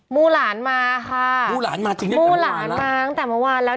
มูหลานมาค่ะมูหลานมาจริงเนี่ยมูหลานมาตั้งแต่เมื่อวานแล้ว